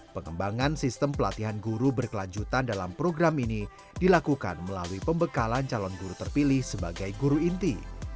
pengembangan sistem pelatihan guru berkelanjutan dalam program ini dilakukan melalui pembekalan calon guru terpilih sebagai guru inti